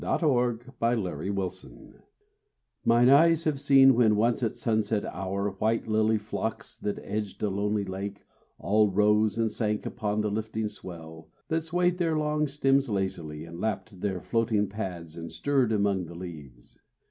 WATER LILIES AT SUNSET Mine eyes have seen when once at sunset hour White lily flocks that edged a lonely lake All rose and sank upon the lifting swell That swayed their long stems lazily, and lapped Their floating pads and stirred among the leaves.